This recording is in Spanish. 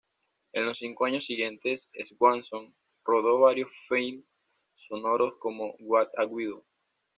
En los cinco años siguientes Swanson rodó varios filmes sonoros, como "What a Widow!